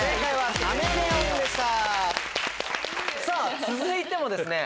さぁ続いてもですね